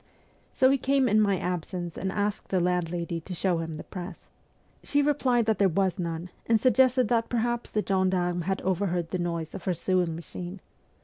So he came in my absence and asked the landlady to show him the press. She replied that there was none, and suggested that perhaps the gendarme had overheard the noise of her sewing machine.